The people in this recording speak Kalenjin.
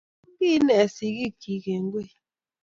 Mamekengiy inne sikiik chi eng koii.